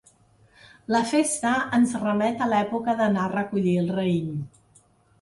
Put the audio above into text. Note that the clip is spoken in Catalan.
La festa ens remet a l'època d'anar a recollir el raïm.